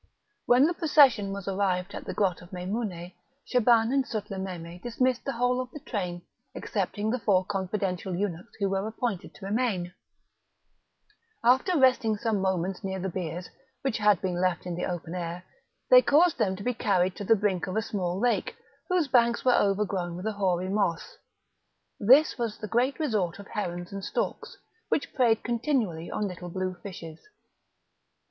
When the procession was arrived at the grot of Meimoune, Shaban and Sutlememe dismissed the whole of the train, excepting the four confidential eunuchs who were appointed to remain. After resting some moments near the biers, which had been left in the open air, they caused them to be carried to the brink of a small lake, whose banks were overgrown with a hoary moss; this was the great resort of herons and storks, which preyed continually on little blue fishes.